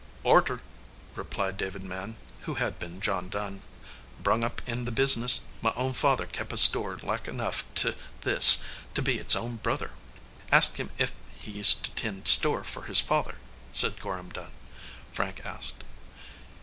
"Orter," replied David Mann, who had been John Dunn. "Brung up in the business. My own father kep a store like enough to this to be its own brother." "Ask him ef he used to tend store fur his father," said Gorham Dunn. Frank asked.